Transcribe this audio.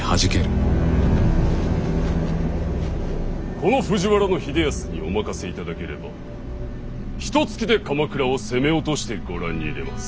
この藤原秀康にお任せいただければひとつきで鎌倉を攻め落としてご覧に入れます。